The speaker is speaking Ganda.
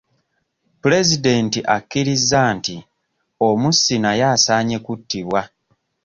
Pulezidenti akiriza nti omussi naye asaanye kuttibwa.